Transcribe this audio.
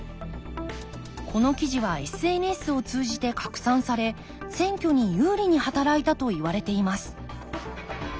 この記事はＳＮＳを通じて拡散され選挙に有利に働いたといわれています